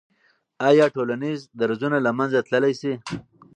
آیا ټولنیز درزونه له منځه تللی سي؟